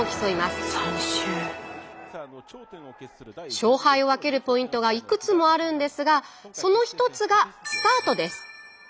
勝敗を分けるポイントがいくつもあるんですがその一つがスタートです。